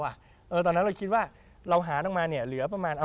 ๒หมื่นถึง๓หมื่นบาท